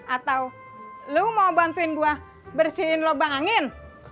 atau lu mau bantuin gua bersihin lubang angin